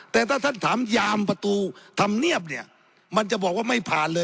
แต่ถ้าท่านถามยามประตูธรรมเนียบเนี่ยมันจะบอกว่าไม่ผ่านเลย